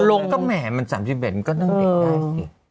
ลงก็แหมะมัน๓๐เยียมก็นั่งเด็กได้สิ